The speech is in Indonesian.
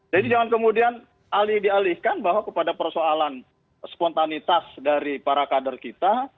jadi jangan kemudian dialihkan bahwa kepada persoalan spontanitas dari para kader kita